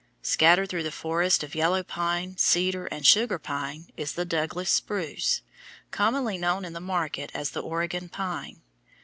Scattered through the forests of yellow pine, cedar, and sugar pine is the Douglas spruce, commonly known in the market as the Oregon pine.